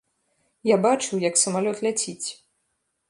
Я бачыў, як самалёт ляціць.